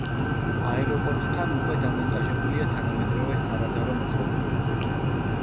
აეროპორტთან უკვე დამონტაჟებულია თანამედროვე სარადარო მოწყობილობა.